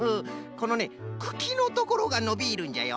このねくきのところがのびるんじゃよ。